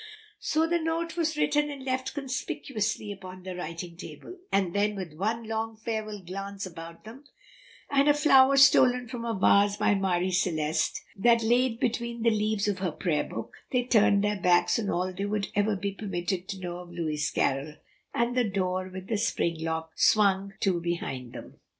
So the note was written and left conspicuously upon the writing table; and then with one long farewell glance about them, and a flower stolen from a vase by Marie Celeste and laid between the leaves of her prayer book, they turned their backs on all they would ever be permitted to know of Lewis Carroll, and the door with the spring lock swung to behind them.